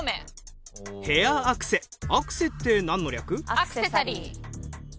アクセサリー。